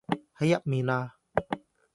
喺入面嘞